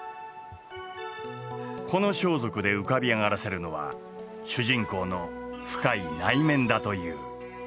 この装束で浮かび上がらせるのは主人公の深い内面だという。